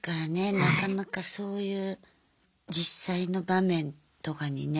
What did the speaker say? なかなかそういう実際の場面とかにね。